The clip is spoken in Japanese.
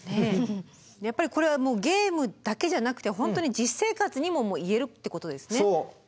やっぱりこれはゲームだけじゃなくて本当に実生活にも言えるってことですね。